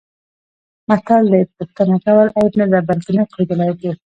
متل دی: پوښتنه کول عیب نه، بلکه نه پوهېدل عیب دی.